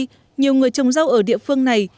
những năm gần đây nhiều người trồng rau ở địa phương này